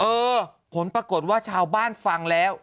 ผลปรากฏว่าชาวบ้านฟังแล้ว